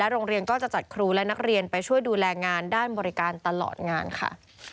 โรงเรียนก็จะจัดครูและนักเรียนไปช่วยดูแลงานด้านบริการตลอดงานค่ะ